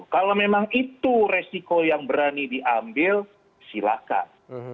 kalau memang itu resiko yang berani diambil silakan